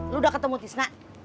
lu udah ketemu tisna